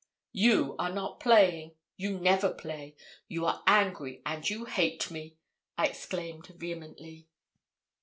'You are not playing you never play you are angry, and you hate me,' I exclaimed, vehemently.